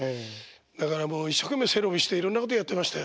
だからもう一生懸命背伸びしていろんなことやってましたよ。